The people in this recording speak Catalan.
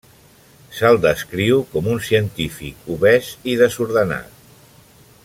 Se'l descriu com un científic obès i desordenat.